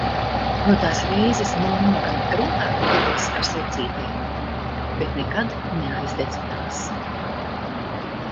No tās reizes mamma gan rotāja egles ar svecītēm, bet nekad neaidedza tās!